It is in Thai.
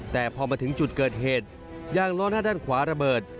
แต่พอมาถึงจุดเกิดเหตุยางล้อหน้าด้านขวาระเบิด